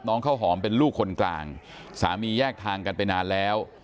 ข้าวหอมเป็นลูกคนกลางสามีแยกทางกันไปนานแล้ว